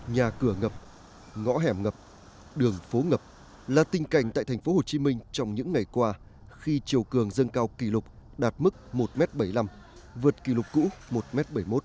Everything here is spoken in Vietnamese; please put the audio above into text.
nhà cửa ngập ngõ hẻm ngập đường phố ngập là tinh cảnh tại tp hcm trong những ngày qua khi chiều cường dâng cao kỷ lục đạt mức một m bảy mươi năm vượt kỷ lục cũ một m bảy mươi một